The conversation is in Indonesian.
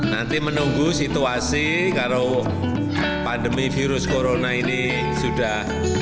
nanti menunggu situasi kalau pandemi virus corona ini sudah